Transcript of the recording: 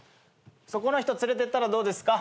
そこの人連れてったらどうですか？